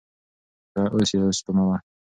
ښه اوس یې اوسپموه.